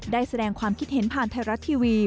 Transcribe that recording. ได้แสดงความคิดเห็นผ่านไทยรัฐทีวี